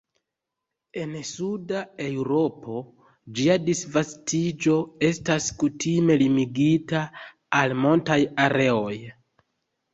En suda Eŭropo, ĝia disvastiĝo estas kutime limigita al montaj areoj.